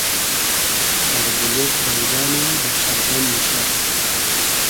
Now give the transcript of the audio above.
اربولوگ دݷدۂ نۂ , دۂ چئرگئم موشۂ